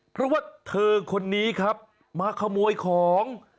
เพราะว่าเธอคนนี้ครับมาขโมยของ